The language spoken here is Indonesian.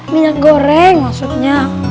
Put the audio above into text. minyak goreng maksudnya